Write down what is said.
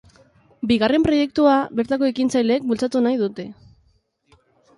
Bigarren proiektua bertako ekintzaileek bultzatu nahi dute.